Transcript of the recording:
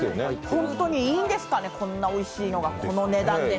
本当にいいんですかね、こんなおいしいのがこの値段で。